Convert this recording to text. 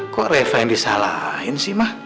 kok reva yang disalahin sih mah